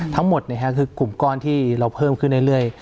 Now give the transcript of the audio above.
ทั้งหมดเนี่ยครับคือกลุ่มก้อนที่เราเพิ่มขึ้นได้เรื่อย